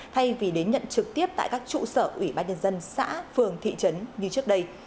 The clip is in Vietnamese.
thay vì đến nhận trực tiếp tại các trụ sở ủy ban nhân dân xã phường thị trấn như trước đây